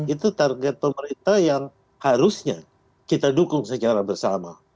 itu target pemerintah yang harusnya kita dukung secara bersama